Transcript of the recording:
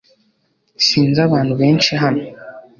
Sinzi abantu benshi hano .